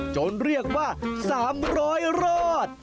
จนเรียกว่าสามรอยรอด